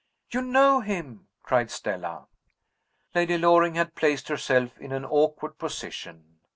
"You know him!" cried Stella. Lady Loring had placed herself in an awkward position.